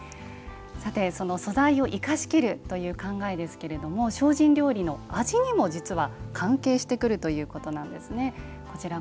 その素材を生かしきるという考えですけれども精進料理の味にも実は関係してくるということなんです。